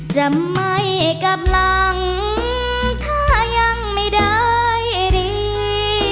จะไม่กลับหลังถ้ายังไม่ได้ดี